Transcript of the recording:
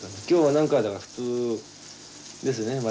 今日は何か普通ですね。